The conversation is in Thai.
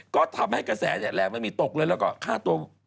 ก็ทำให้กระแสแรงไม่มีตกเลยแล้วก็ค่าตัว